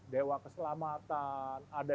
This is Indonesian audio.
dewa keselamatan ada